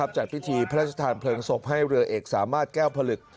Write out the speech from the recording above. จัดพิธีพระราชทานเพลิงศพให้เรือเอกสามารถแก้วผลึก